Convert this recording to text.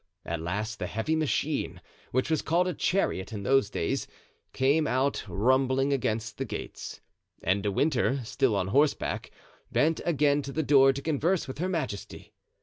At last the heavy machine, which was called a chariot in those days, came out, rumbling against the gates, and De Winter, still on horseback, bent again to the door to converse with her majesty.